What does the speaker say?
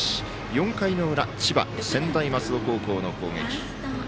４回の裏千葉、専大松戸高校の攻撃。